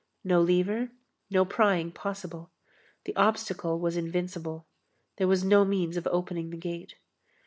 No lever; no prying possible. The obstacle was invincible. There was no means of opening the gate.